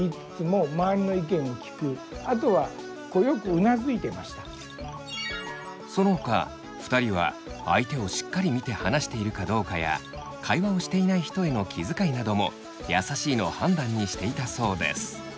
あとはそのほか２人は相手をしっかり見て話しているかどうかや会話をしていない人への気遣いなども優しいの判断にしていたそうです。